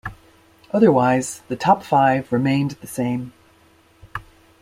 Otherwise, the top five remained the same.